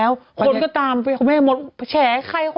สวัสดีค่ะข้าวใส่ไข่สดใหม่เยอะสวัสดีค่ะ